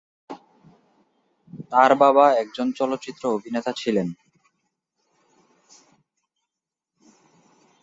তার বাবা একজন চলচ্চিত্র অভিনেতা ছিলেন।